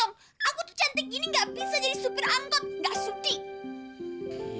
supir angkot gak suti